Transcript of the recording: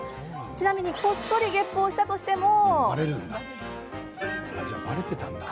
ちなみにこっそりげっぷをしたとしても。